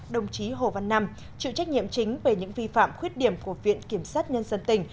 đồng chí hồ văn năm chịu trách nhiệm chính về những vi phạm khuyết điểm của viện kiểm sát nhân dân tỉnh